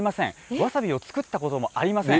わさびを作ったこともありません。